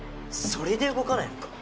それで動かないのか？